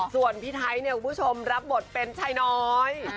ส่วนพี่ไทยเนี่ยคุณผู้ชมรับบทเป็นชายน้อย